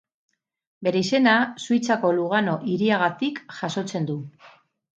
Bere izena Suitzako Lugano hiriagatik jasotzen du.